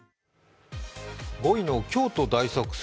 ５位の「京都大作戦」